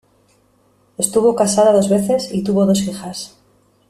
Estuvo casada dos veces y tuvo dos hijas.